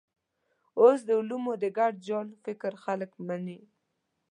اوس د علومو د ګډ جال فکر خلک مني.